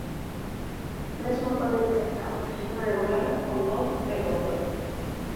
Mesmo poderían estar na Xunta de Goberno, con voz e voto.